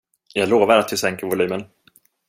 Jag lovar att vi sänker volymen.